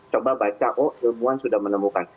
coba baca oh ilmuwan sudah menemukan